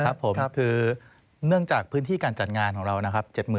ครับผมคือเนื่องจากพื้นที่การจัดงานของเรานะครับ